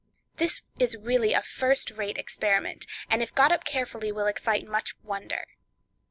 This is really a first rate experiment and if got up carefully will excite much wonder.